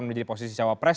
menjadi posisi cawapres